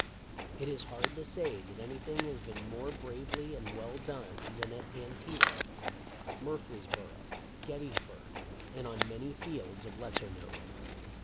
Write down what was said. It is hard to say that anything has been more bravely and well done than at Antietam, Murfreesboro, Gettysburg, and on many fields of lesser note.